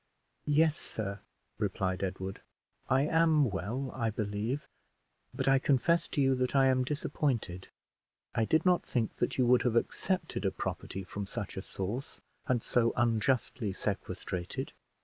"Yes, sir," replied Edward, "I am well, I believe; but I confess to you that I am disappointed. I did not think that you would have accepted a property from such a source, and so unjustly sequestrated."